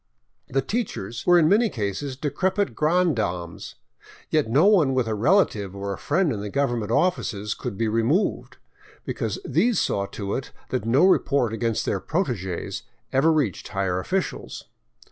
The teachers were in many cases de crepit granddames, yet no one with a relative or a friend in the gov ernment offices could be removed, because these saw to it that no report against their protegees ever reached higher officials.